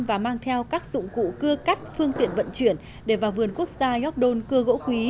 và mang theo các dụng cụ cưa cắt phương tiện vận chuyển để vào vườn quốc gia york don cưa gỗ quý